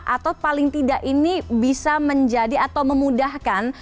atau paling tidak ini bisa menjadi atau memudahkan